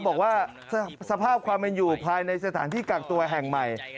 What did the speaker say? บอกว่าสภาพความเป็นอยู่ภายในสถานที่กักตัวแห่งใหม่